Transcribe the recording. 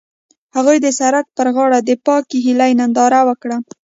هغوی د سړک پر غاړه د پاک هیلې ننداره وکړه.